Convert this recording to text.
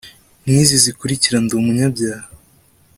nki izi zikurikira ndi umunyabyaha